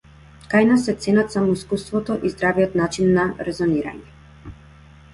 Кај нас се ценат само искуството и здравиот начин на резонирање.